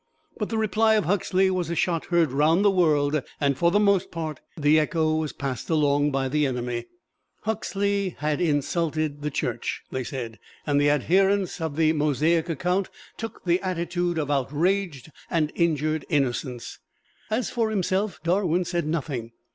But the reply of Huxley was a shot heard round the world, and for the most part the echo was passed along by the enemy. Huxley had insulted the Church, they said, and the adherents of the Mosaic account took the attitude of outraged and injured innocence. As for himself, Darwin said nothing.